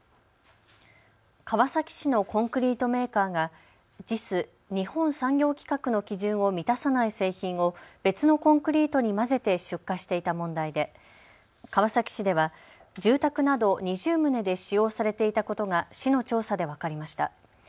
川崎市のコンクリートメーカーがＪＩＳ・日本産業規格の基準を満たさない製品を別のコンクリートに混ぜて出荷していた問題で川崎市では住宅など２０棟で使用されていたことが市の調査で分かりました。